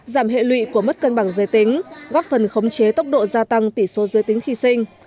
giảm hệ lụy của mất cân bằng giới tính góp phần khống chế tốc độ gia tăng tỷ số giới tính khi sinh